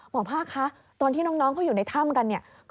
หมอภาคคะตอนที่น้องเขาอยู่ในถ้ำกัน